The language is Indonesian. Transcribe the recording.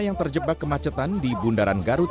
yang terjebak kemacetan di bundaran garut